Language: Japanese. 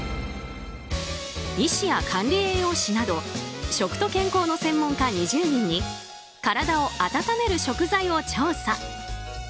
医師や管理栄養士など食と健康の専門家２０人に体を温める食材を調査。